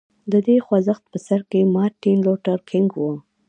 د دې خوځښت په سر کې مارټین لوټر کینګ و.